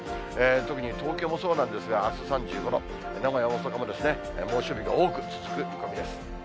特に東京もそうなんですが、あす３５度、名古屋、大阪も猛暑日が多く続く見込みです。